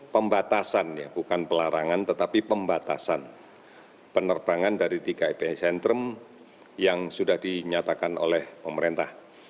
pembatasan ya bukan pelarangan tetapi pembatasan penerbangan dari tiga epicentrum yang sudah dinyatakan oleh pemerintah